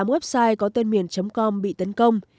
chín mươi tám website có tên miền com bị tấn công